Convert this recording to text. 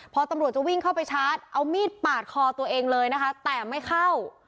พอตำรวจจะวิ่งเข้าไปชาร์จเอามีดปาดคอตัวเองเลยนะคะแต่ไม่เข้า